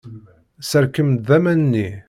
Serkem-d aman-nni.